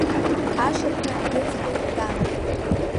Ашырҳәа дыҵҟьеит Кан.